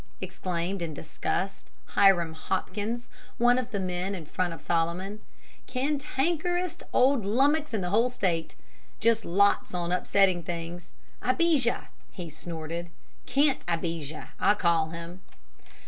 exclaimed, in disgust, Hiram Hopkins, one of the men in front of Solomon. "Cantankerest old lummux in the whole state just lots on upsetting things. Abijah!" he snorted. "Can't Abijah, I call him!"